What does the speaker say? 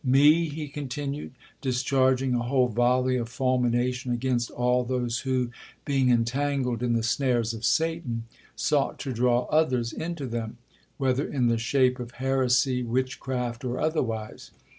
—'Me!' he continued, discharging a whole volley of fulmination against all those who, being entangled in the snares of Satan, sought to draw others into them, whether in the shape of heresy, witchcraft, or otherwise.